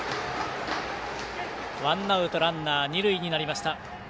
ワンアウトランナー、二塁になりました。